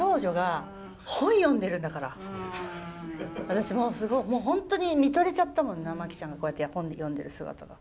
私もうすごいもう本当に見とれちゃったもんな真希ちゃんがこうやって本読んでる姿が。